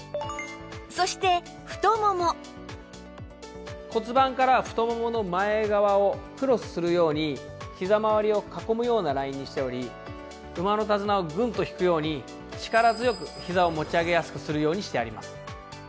そして骨盤からふとももの前側をクロスするようにひざまわりを囲むようなラインにしており馬の手綱をグンッと引くように力強くひざを持ち上げやすくするようにしてあります。